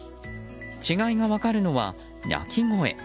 違いが分かるのは鳴き声。